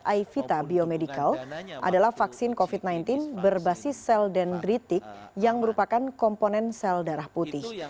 aivita biomedical adalah vaksin covid sembilan belas berbasis sel dendritik yang merupakan komponen sel darah putih